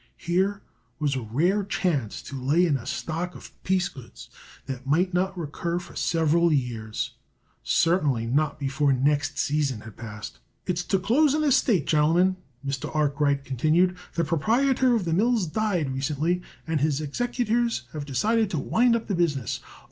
Here was a rare chance to lay in a stock of piece goods that might not recur for several years, certainly not before next season had passed. "It's to close an estate, gentlemen," Mr. Arkwright continued. "The proprietor of the mills died recently, and his executors have decided to wind up the business.